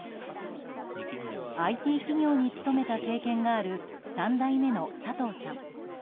ＩＴ企業に勤めた経験がある３代目の佐藤さん。